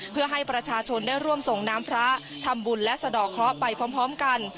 เพื่อให้ประชาชนได้ร่วมส่งน้ำพระทำบุญและสะดอกเคราะห์ไปพร้อมกัน